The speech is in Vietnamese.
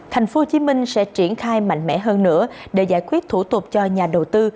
thành phố hồ chí minh sẽ triển khai mạnh mẽ hơn nữa để giải quyết thủ tục cho nhà đầu tư